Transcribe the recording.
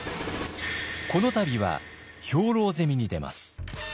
この度は兵糧攻めに出ます。